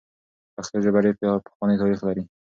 پښتو ژبه ډېر پخوانی تاریخ لري.